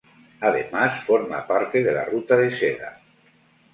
Además, forma parte de la Ruta de Seda.